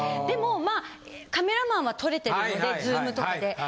でもまあカメラマンは撮れてるのでズームとかで。